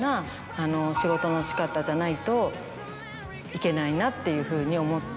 じゃないといけないなっていうふうに思って。